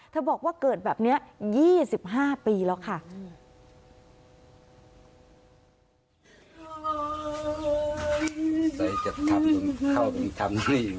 บอกว่าเกิดแบบนี้๒๕ปีแล้วค่ะ